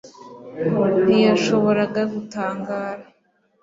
ntiyashoboraga gutangara